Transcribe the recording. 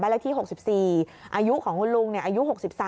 เลขที่๖๔อายุของคุณลุงอายุ๖๓